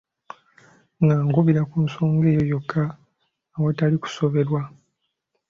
Ng’akubira ku nsonga eyo yokka awatali kusoberwa.